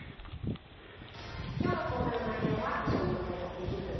今日の講座の内容は「将棋講座」テキスト